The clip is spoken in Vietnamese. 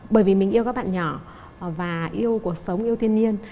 bởi vì mình yêu các bạn nhỏ và yêu cuộc sống yêu thiên nhiên